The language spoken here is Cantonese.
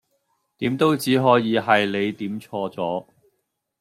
點都只可以係你點錯咗